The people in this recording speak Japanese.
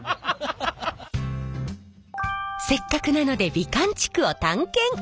せっかくなので美観地区を探検！